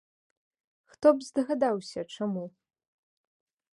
Хто б здагадаўся, чаму.